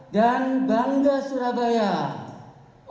dan bangga surabaya